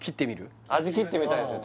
味切ってみたいですよ